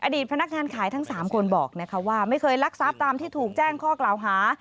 อดีตพนักงานขายทั้ง๓คนบอกไม่เคยรักษาตามที่ถูกแจ้งข้อกราวฮา